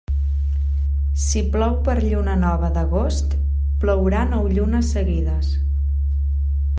Si plou per lluna nova d'agost, plourà nou llunes seguides.